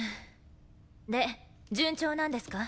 で順調なんですか？